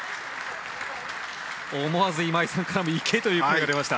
思わず今井さんからもいけ！という声が出ました。